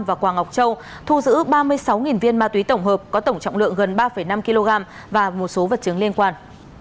và quà ngọc châu thu giữ ba mươi sáu viên ma túy tổng hợp có tổng trọng lượng gần ba năm kg và một số vật chứng liên quan